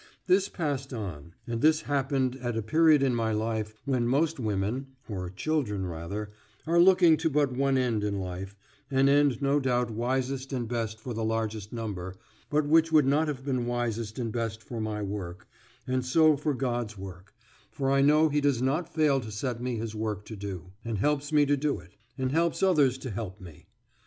This passed on; and this happened at a period in my life when most women (or children, rather) are looking to but one end in life an end no doubt wisest and best for the largest number, but which would not have been wisest and best for my work, and so for God's work, for I know he does not fail to set me his work to do, and helps me to do it, and helps others to help me.